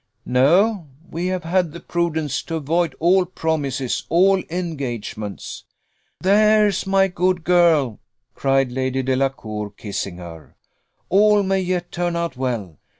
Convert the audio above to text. "No. We have had the prudence to avoid all promises, all engagements." "There's my good girl!" cried Lady Delacour, kissing her: "all may yet turn out well.